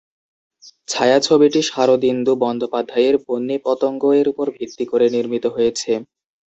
ছায়াছবিটি শরদিন্দু বন্দ্যোপাধ্যায়ের "বহ্নি-পতঙ্গ"-এর উপর ভিত্তি করে নির্মিত হয়েছে।